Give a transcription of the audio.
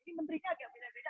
ini menterinya agak beda beda